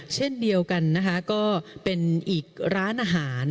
เช่นเดียวกันนะคะก็เป็นอีกร้านอาหาร